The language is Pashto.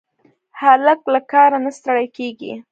هلک له کاره نه ستړی کېږي.